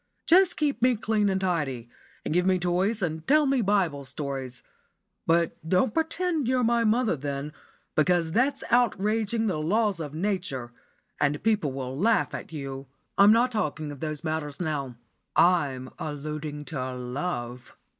Just keep me clean and tidy, and give me toys and tell me Bible stories. But don't pretend you're my mother then, because that's outraging the laws of Nature, and people will laugh at you. I'm not talking of those matters now; I'm alluding to love."